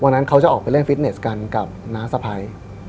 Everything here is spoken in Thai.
เขาจะออกไปเล่นฟิตเนสกันกับน้าสะพ้าย